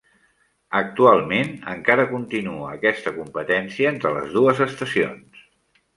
Actualment, encara continua aquesta competència entre les dues estacions.